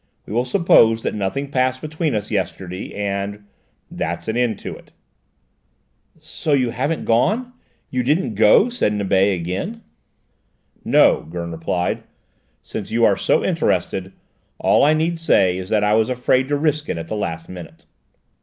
We will suppose that nothing passed between us yesterday, and that's an end to it." "So you haven't gone, you didn't go?" said Nibet again. "No," Gurn replied; "since you are so interested, all I need say is that I was afraid to risk it at the last minute."